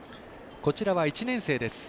こちらは１年生です。